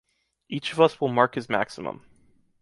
Each of us will mark his maximum.